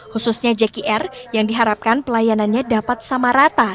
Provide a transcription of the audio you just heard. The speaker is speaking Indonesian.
khususnya jkr yang diharapkan pelayanannya dapat sama rata